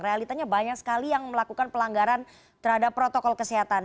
realitanya banyak sekali yang melakukan pelanggaran terhadap protokol kesehatan